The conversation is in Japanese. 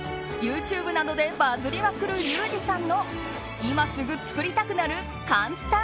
ＹｏｕＴｕｂｅなどでバズりまくるリュウジさんの今すぐ作りたくなる簡単！